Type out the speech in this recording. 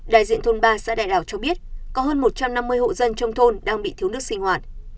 đại diện thôn ba xã đại lào cho biết có hơn một trăm năm mươi hộ dân trong thôn đang bị thiếu nước sinh hoạt